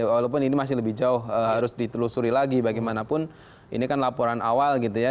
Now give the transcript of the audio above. walaupun ini masih lebih jauh harus ditelusuri lagi bagaimanapun ini kan laporan awal gitu ya